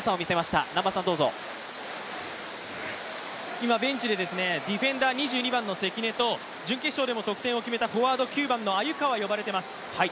今ベンチでディフェンダー、２２番の関根と準決勝でも得点を決めた９番の鮎川が呼ばれています。